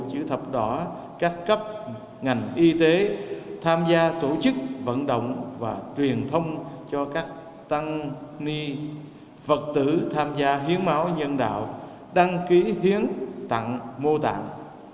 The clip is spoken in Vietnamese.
chữ thập đỏ các cấp ngành y tế tham gia tổ chức vận động và truyền thông cho các tăng ni phật tử tham gia hiến máu nhân đạo đăng ký hiến tặng mô tạng